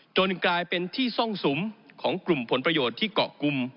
กลายเป็นที่ซ่องสุมของกลุ่มผลประโยชน์ที่เกาะกลุ่ม